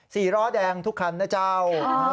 สี่ล้อแดงทุกคันนะเจ้า